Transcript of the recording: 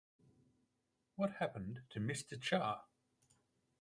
What Happened to Mister Cha?